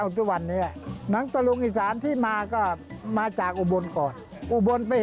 แจ้งปลายฉันอันใหม่